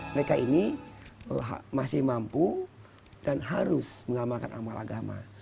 mereka ini masih mampu dan harus mengamalkan amaliyah